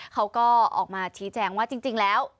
เขาก็ออกมาชี้แจงว่าจริงแล้ว